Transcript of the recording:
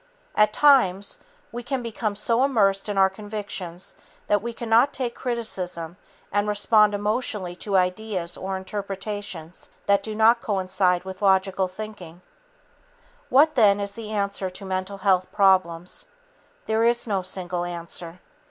At times, we can become so immersed in our convictions that we cannot take criticism and respond emotionally to ideas or interpretations that do not coincide with logical thinking. What, then, is the answer to mental health problems? There is no single answer.